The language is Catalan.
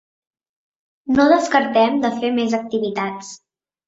No descartem de fer més activitats.